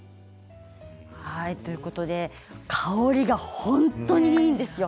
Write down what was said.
香りが本当にいいんですよ。